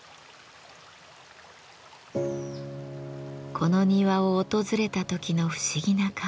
この庭を訪れた時の不思議な感覚。